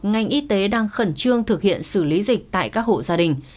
ngành y tế đang khẩn trương thực hiện xử lý dịch tại các hộ gia đình